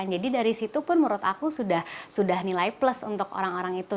jadi dari situ pun menurut aku sudah nilai plus untuk orang orang itu